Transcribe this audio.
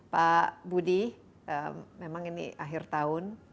pak budi memang ini akhir tahun